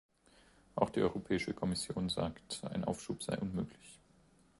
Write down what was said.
Auch die Europäische Kommission sagt, ein Aufschub sei unmöglich.